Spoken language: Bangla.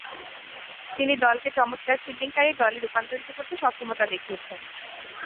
তিনি দলকে চমৎকার ফিল্ডিংকারী দলে রূপান্তরিত করতে সক্ষমতা দেখিয়েছেন।